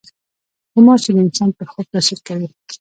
غوماشې د انسان پر خوب تاثیر کوي.